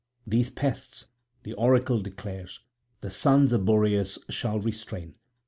These pests, the oracle declares, the sons of Boreas shall restrain.